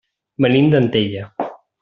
Venim d'Antella.